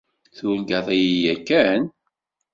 Turgaḍ-iyi yakan?